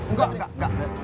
enggak enggak enggak